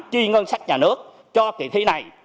chi ngân sách nhà nước cho kỳ thi này